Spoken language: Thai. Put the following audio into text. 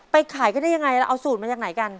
ขายกันได้ยังไงเราเอาสูตรมาจากไหนกัน